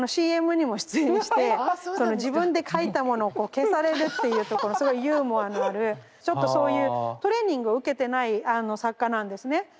ＣＭにも出演して自分で書いたものを消されるっていうところそういうユーモアのあるちょっとそういうトレーニングを受けてない作家なんですね。